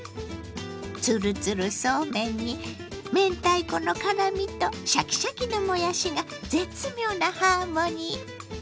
ツルツルそうめんに明太子の辛みとシャキシャキのもやしが絶妙なハーモニー。